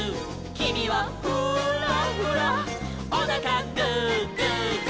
「きみはフーラフラ」「おなかグーグーグー」